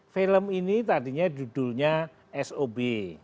film ini tadinya judulnya sob